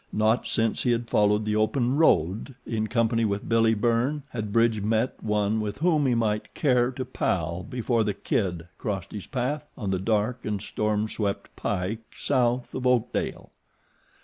Not since he had followed the open road in company with Billy Byrne had Bridge met one with whom he might care to 'Pal' before The Kid crossed his path on the dark and storm swept pike south of Oakdale.